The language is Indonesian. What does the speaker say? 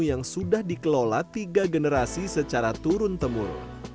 yang sudah dikelola tiga generasi secara turun temurun